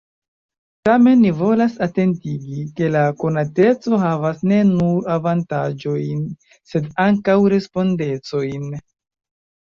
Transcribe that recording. Tamen ni volas atentigi, ke la konateco havas ne nur avantaĝojn, sed ankaŭ respondecojn.